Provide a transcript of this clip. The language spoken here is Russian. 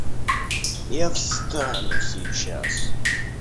Я встану сейчас.